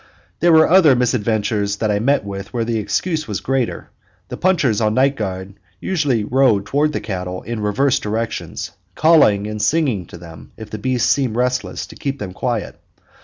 There were other misadventures that I met with where the excuse was greater. The punchers on night guard usually rode round the cattle in reverse directions; calling and singing to them if the beasts seemed restless, to keep them quiet.